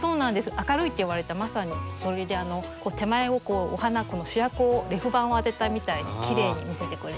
「明るい」って言われたまさにそれで手前をお花主役をレフ板を当てたみたいにきれいに見せてくれる。